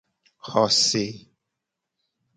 Xose.